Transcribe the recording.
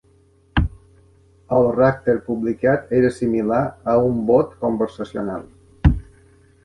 El Racter publicat era similar a un bot conversacional.